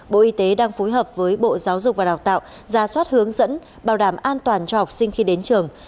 bộ y tế đang phối hợp với bộ giáo dục và đào tạo ra soát hướng dẫn bảo đảm an toàn cho học sinh khi đến trường